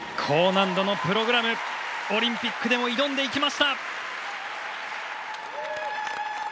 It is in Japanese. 高難度のプログラムオリンピックでも挑んでいきました。